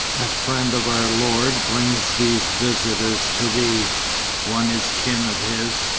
A friend of our lord brings these visitors to thee. One is kin of his.